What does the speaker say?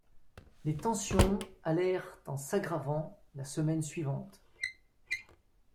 Les tensions allèrent en s'aggravant la semaine suivante.